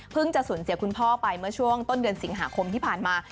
จะสูญเสียคุณพ่อไปเมื่อช่วงต้นเดือนสิงหาคมที่ผ่านมา